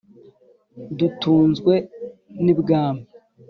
dutunzwe n’ibwami